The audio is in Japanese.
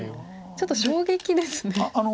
ちょっと衝撃ですね。